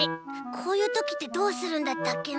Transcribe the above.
こういうときってどうするんだったっけな？